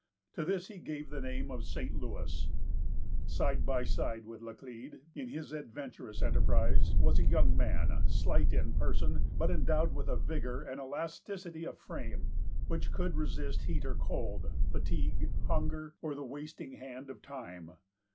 To this he gave the name of St. Louis. Side by side with Laclede, in his adventurous enterprise, was a young man, slight in person, but endowed with a vigor and elasticity of frame which could resist heat or cold, fatigue, hunger, or the wasting hand of time.